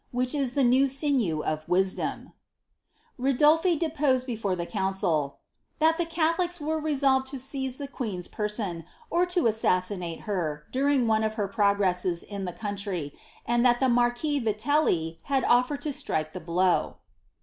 which is itie only sinew of wisdom ."'' RidolU deposed before the council, " that the catholics were lo seize the queen's person, or to Bssossinale her, daring one of greases in the country, and tliai the marquis Viielli had olTered i 5ie blow."